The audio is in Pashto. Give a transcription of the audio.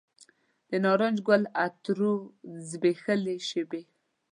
د نارنج ګل عطرو زبیښلې شیبې